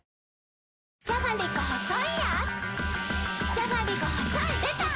じゃがりこ細いやーつ